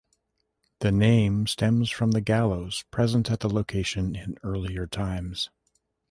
The name stems from the gallows present at the location in earlier times.